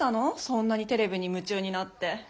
そんなにテレビにむちゅうになって。